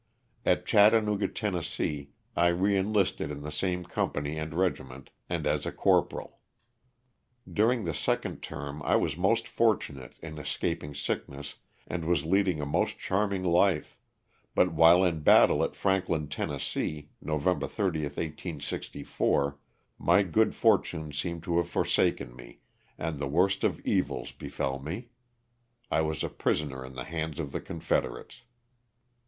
At Chattanooga, Tenn., I re enlisted in the same company and regiment, and as a corporal. During the second term I was most fortu nate in escaping sickness and was leading a most charming life, but while in battle at Franklin, Tenn., November 30, 1864, my good fortune seemed to have forsaken me, and the worst of evils befell me — I was a prisoner in the hands of the Confederates.